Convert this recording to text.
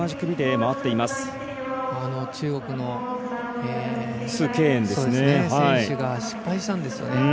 中国の選手が失敗したんですよね。